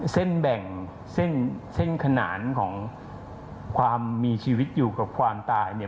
เส้นแบ่งเส้นเส้นขนานของความมีชีวิตอยู่กับความตายเนี่ย